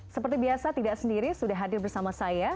seperti biasa tidak sendiri sudah hadir bersama saya